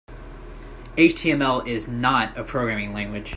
HTML is not a programming language.